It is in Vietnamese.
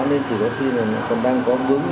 thì chỉ có khi là còn đang có bước